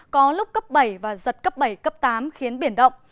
có lúc cấp bảy và giật cấp bảy cấp tám khiến biển động